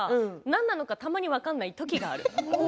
んなのかたまに分からない時がある。